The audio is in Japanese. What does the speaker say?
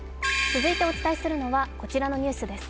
続いてお伝えするのはこちらのニュースです。